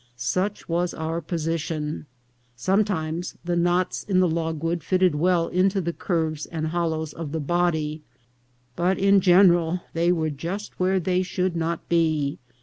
Such was our position. Sometimes the knots in the logwood fitted well into the curves and hollows of the body, but in general they were just where they should not be.